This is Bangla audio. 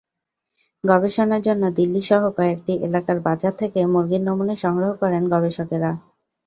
গবেষণার জন্য দিল্লিসহ কয়েকটি এলাকার বাজার থেকে মুরগির নমুনা সংগ্রহ করেন গবেষকেরা।